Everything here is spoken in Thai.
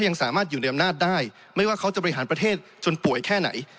ยังสามารถอยู่ในอำนาจได้ไม่ว่าเขาจะบริหารประเทศจนป่วยแค่ไหน